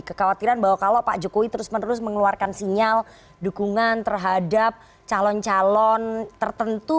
kekhawatiran bahwa kalau pak jokowi terus menerus mengeluarkan sinyal dukungan terhadap calon calon tertentu